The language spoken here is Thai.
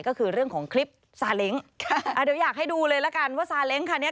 ก็คือเรื่องของคลิปซาเล้งค่ะอ่าเดี๋ยวอยากให้ดูเลยละกันว่าซาเล้งคันนี้